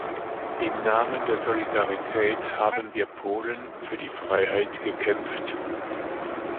Im Namen der Solidarität haben wir Polen für die Freiheit gekämpft.